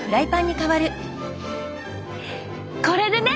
これでね。